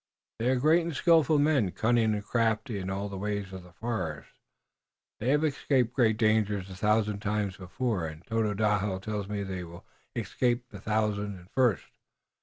"They are great and skillful men, cunning and crafty in all the ways of the forest. They have escaped great dangers a thousand times before and Tododaho tells me they will escape the thousand and first.